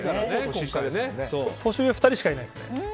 年上、２人しかいないですね。